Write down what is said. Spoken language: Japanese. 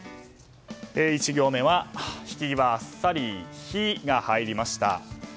１行目は、引き際あっさり「ヒ」が入りました。